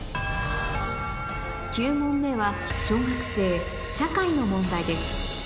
９問目は小学生の問題です